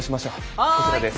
こちらです。